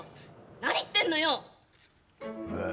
何言ってんのよ。